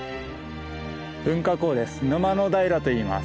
噴火口です。